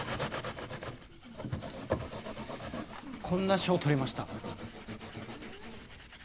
こんな賞取りました。